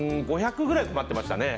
５００ぐらい困ってましたね